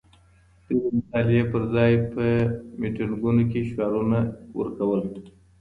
دوی د مطالعې پر ځای په میټینګونو کي شعارونه ورکول.